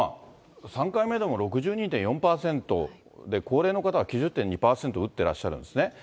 ３回目でも６２．４％で、高齢の方は９０．２％打ってらっしゃるんですね。